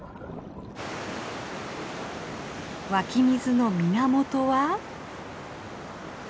湧き水の源は。